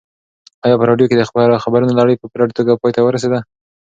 ایا په راډیو کې د خبرونو لړۍ په پوره توګه پای ته ورسېده؟